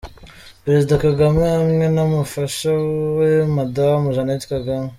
Perezida Kagame hamwe n'umufasha we Madamu Jeannette Kagame.